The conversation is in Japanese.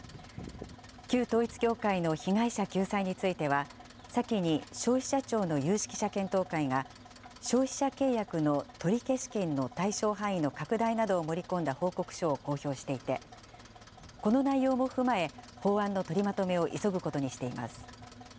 旧統一教会の被害者救済については、先に消費者庁の有識者検討会が、消費者契約の取消権の対象範囲の拡大などを盛り込んだ報告書を公表していて、この内容も踏まえ、法案の取りまとめを急ぐことにしています。